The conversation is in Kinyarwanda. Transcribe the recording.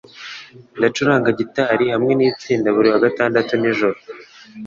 Ndacuranga gitari hamwe nitsinda buri wa gatandatu nijoro.